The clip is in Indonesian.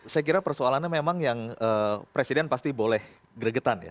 saya kira persoalannya memang yang presiden pasti boleh gregetan ya